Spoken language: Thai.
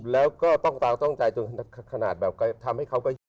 แล้วก็ต้องตาต้องใจจนถึงขนาดแบบทำให้เขาก็เรียนนะ